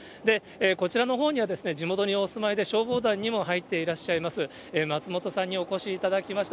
こちらのほうには、地元にお住まいで消防団にも入っていらっしゃます、松本さんにお越しいただきました。